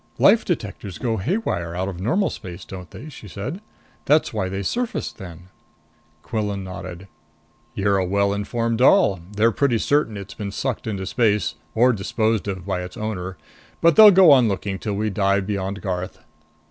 "Life detectors go haywire out of normal space, don't they?" she said. "That's why they surfaced then." Quillan nodded. "You're a well informed doll. They're pretty certain it's been sucked into space or disposed of by its owner, but they'll go on looking till we dive beyond Garth."